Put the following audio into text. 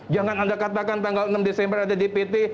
jangan anda katakan tanggal enam desember ada dpt